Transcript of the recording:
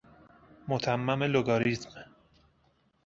متمم لگاریتم